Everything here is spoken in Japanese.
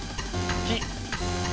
木。